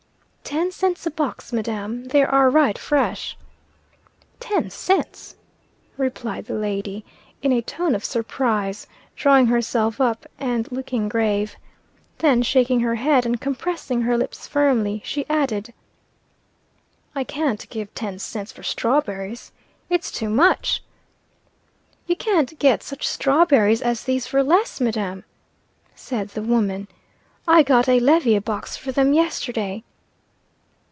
"Ten cents a box, madam. They are right fresh." "Ten cents!" replied the lady, in a tone of surprise, drawing herself up, and looking grave. Then shaking her head and compressing her lips firmly, she added: "I can't give ten cents for strawberries. It's too much." "You can't get such strawberries as these for less, madam," said the woman. "I got a levy a box for them yesterday."